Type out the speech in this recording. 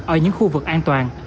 ở những khu vực an toàn